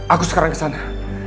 aku sekarang ke sana